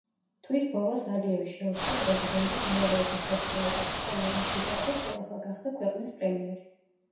თვის ბოლოს, ალიევი შეუდგა პრეზიდენტის მოვალეობის შესრულებას, ხოლო რასიზადე, ხელახლა გახდა ქვეყნის პრემიერი.